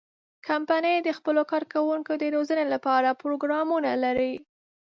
کمپنۍ د خپلو کارکوونکو د روزنې لپاره پروګرامونه لري.